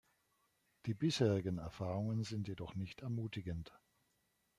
Die bisherigen Erfahrungen sind jedoch nicht ermutigend.